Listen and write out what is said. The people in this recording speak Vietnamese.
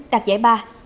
đạt giải ba